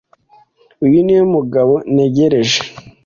Uyu niwe mugabo ntegereje.